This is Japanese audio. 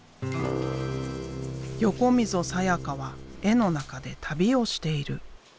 横溝さやかは絵の中で旅をしている。